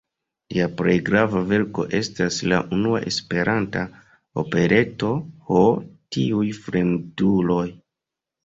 Lia plej grava verko estas la unua Esperanta opereto "Ho, tiuj fremduloj!